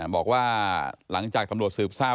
บอกว่าหลังจากตำรวจสืบทราบ